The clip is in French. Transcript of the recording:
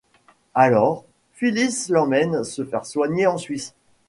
Alors, Phyllis l'emmène se faire soigner en Suisse.